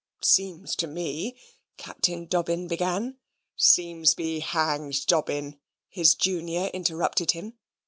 "It seems to me," Captain Dobbin began. "Seems be hanged, Dobbin," his junior interrupted him.